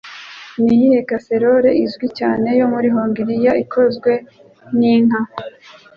Niyihe casserole izwi cyane yo muri Hongiriya ikozwe ninka?